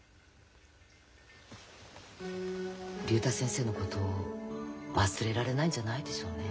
竜太先生のこと忘れられないんじゃないでしょうね？